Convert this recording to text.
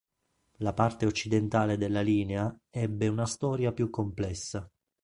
La parte occidentale della linea ebbe una storia più complessa.